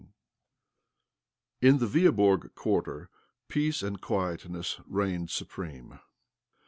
Ill In the Veaborg Quarter peace and quiet ness reigned supreme.